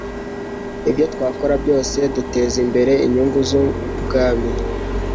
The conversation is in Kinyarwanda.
Ibyo twakora byose duteza imbere inyungu z'Ubwami,